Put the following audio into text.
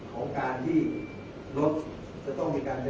หรือการที่รถจะขยับเท่านั้น